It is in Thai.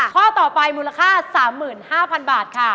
ข้อต่อไปมูลค่า๓๕๐๐๐บาทค่ะ